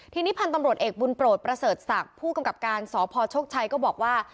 ทีนี้พันธุ์ตำรวจเอกบุญโปรดประเสริฐศักดิ์ผู้กำกับการสพโชคชัยก็บอกว่า